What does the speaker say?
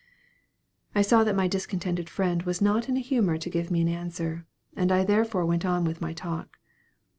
I saw that my discontented friend was not in a humor to give me an answer and I therefore went on with my talk.